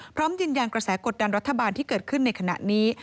พร้อมยืนยันกระแสกดดันรัฐบาลที่เกิดขึ้นในขณะนี้